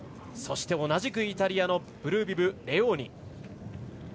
そして、同じくイタリアのブルービブ、レオーニ。